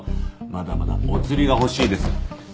まだまだおつりが欲しいです。